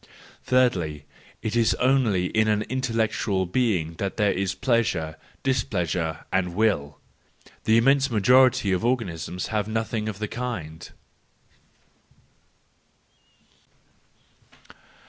Thirdly, it is only in an intellectual being that there is pleasure, displeasure and Will; the immense majority of organisms have nothing of the kind.